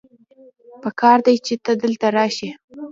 پکار دی چې ته دلته راشې